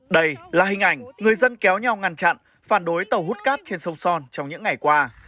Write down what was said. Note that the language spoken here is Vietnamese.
đây là hình ảnh người dân kéo nhau ngăn chặn phản đối tàu hút cát trên sông son trong những ngày qua